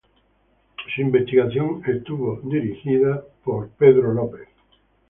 Su investigación estuvo dirigida por James Young.